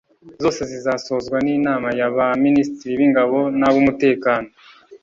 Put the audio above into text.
zose zizasozwa n’inama ya ba Minisitiri b’ingabo n’ab’umutekano